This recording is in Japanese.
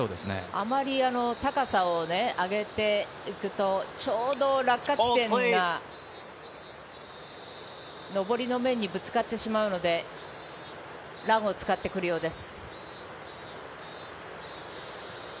あまり高さを上げていくと、ちょうど落下地点が上りの面にぶつかってしまうので、ランを使ってくるようです。